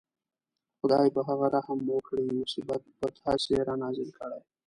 خدای په هغه رحم وکړي مصیبت په تاسې رانازل کړي.